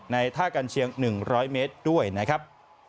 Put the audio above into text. ท่ากันเชียง๑๐๐เมตรด้วยนะครับ